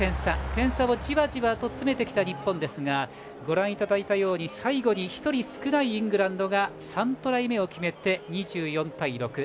点差をじわじわ詰めてきた日本ですがご覧いただいたように最後に１人少ないイングランドが３トライ目を決めて２４対６。